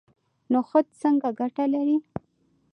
نخود څه ګټه لري؟